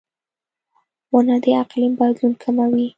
• ونه د اقلیم بدلون کموي.